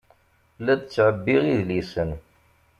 La d-ttɛebbiɣ idlisen.